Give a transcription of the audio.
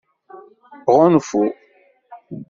Ɣunfu.